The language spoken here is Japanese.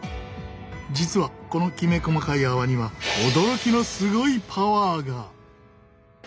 実はこのきめ細かい泡には驚きのすごいパワーが！